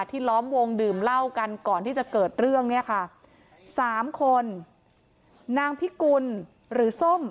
ล้อมวงดื่มเหล้ากันก่อนที่จะเกิดเรื่องเนี่ยค่ะสามคนนางพิกุลหรือส้ม